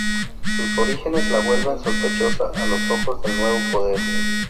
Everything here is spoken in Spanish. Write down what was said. Sus orígenes la vuelven sospechosa a los ojos del nuevo poder.